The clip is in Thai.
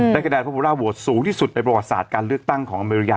คะแนนพระบูร่าโหวตสูงที่สุดในประวัติศาสตร์การเลือกตั้งของอเมริกา